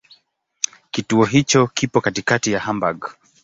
Kituo hicho kipo katikati ya Hamburg.